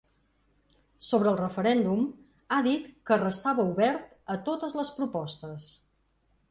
Sobre el referèndum, ha dit que restava obert a totes les propostes.